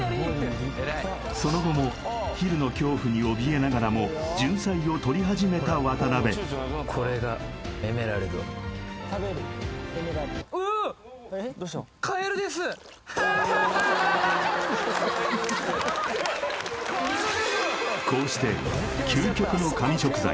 その後もヒルの恐怖におびえながらもじゅんさいを採り始めた渡辺こうして究極の神食材